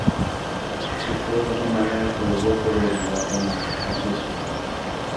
Sus costas son bañadas por el golfo de Batabanó; al sur.